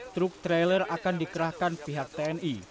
truk trailer akan dikerahkan pihak tni